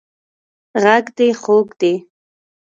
غږ دې خوږ دی